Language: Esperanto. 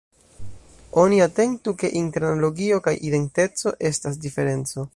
Oni atentu, ke inter analogio kaj identeco estas diferenco.